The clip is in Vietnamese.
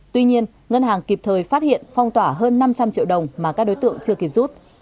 tuy nhiên ngân hàng kịp thời phát hiện phong tỏa hơn năm trăm linh triệu đồng mà các đối tượng chưa kịp rút